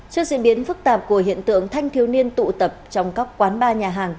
trước diễn biến phức tạp của hiện tượng thanh thiếu niên tụ tập trong các quán bar nhà hàng